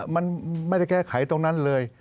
มันไม่ได้แก้ไขตรงนั้นเลย